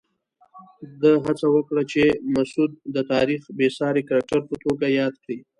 ده هڅه وکړه چې مسعود د تاریخ بېساري کرکټر په توګه یاد کړي.